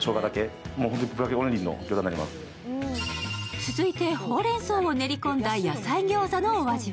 続いてほうれんそうを練り込んだ野菜餃子のお味は？